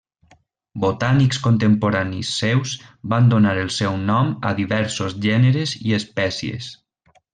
Botànics contemporanis seus van donar el seu nom a diversos gèneres i espècies.